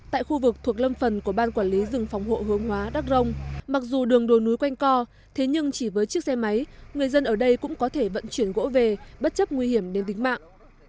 tại khu vực thuộc lâm phần của ban quản lý rừng phòng hộ hướng hóa đắc rông mặc dù đường đồi núi quanh co thế nhưng chỉ với chiếc xe máy người dân ở đây cũng có thể vận chuyển gỗ về bất chấp nguy hiểm đến tính mạng